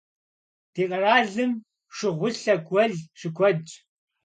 Ди къэралым шыгъулъэ гуэл щыкуэдщ.